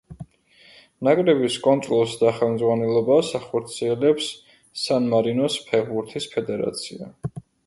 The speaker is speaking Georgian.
ნაკრების კონტროლს და ხელმძღვანელობას ახორციელებს სან-მარინოს ფეხბურთის ფედერაცია.